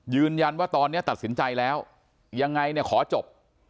ยืนยันว่าตอนนี้ตัดสินใจแล้วยังไงเนี่ยขอจบ